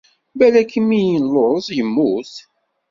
Balak mmi illuẓ immut.